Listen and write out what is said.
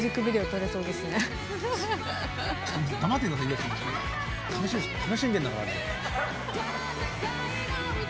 楽しんでるんだから。